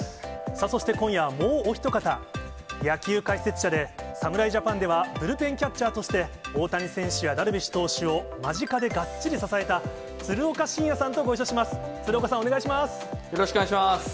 そして今夜はもうお一方、野球解説者で、侍ジャパンでは、ブルペンキャッチャーとして、大谷選手やダルビッシュ投手を間近でがっちり支えた鶴岡慎也さんとご一緒します。鶴岡さん、お願いします。